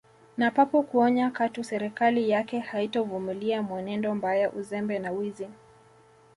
Na papo kuonya katu serikali yake haitovumilia mwenendo mbaya uzembe na wizi